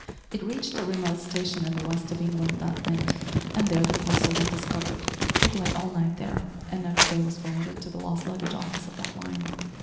It reached a remote station in the west of England that night and there the parcel was discovered. It lay all night there, and next day was forwarded to the lost luggage office of that line.